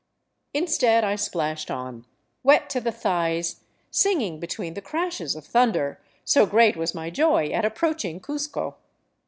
Instead I splashed on, wet to the thighs, singing between the crashes of thunder, so great was my joy at approaching Cuzco.